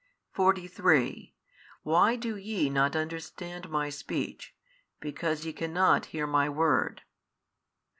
43 Why do ye not understand My speech? because ye cannot hear My word.